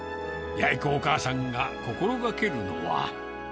八重子お母さんが心がけるのは。